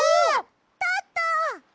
たった！